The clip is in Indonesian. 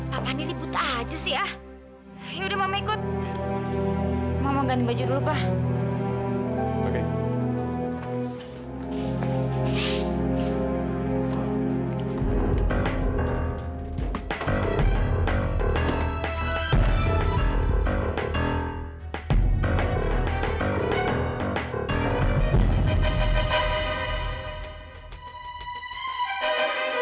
papa nih liput aja sih ya yaudah mama ikut